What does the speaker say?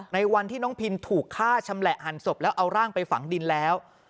ในวันที่น้องพินถูกฆ่าชำแหละหันศพแล้วเอาร่างไปฝังดินแล้ว